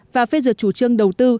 và phê dựa chủ trương đầu tư